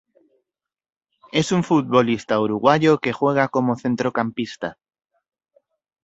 Es un futbolista uruguayo que juega como centrocampista.